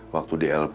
waktu di lp